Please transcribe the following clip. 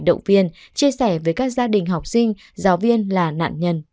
động viên chia sẻ với các gia đình học sinh giáo viên là nạn nhân